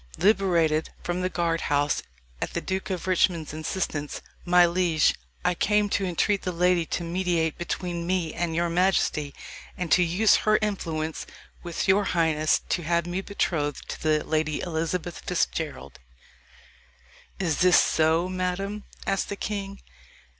"Liberated from the guard house at the Duke of Richmond's instance, my liege, I came to entreat the Lady Anne to mediate between me and your majesty, and to use her influence with your highness to have me betrothed to the Lady Elizabeth Fitzgerald." "Is this so, madam?" asked the king.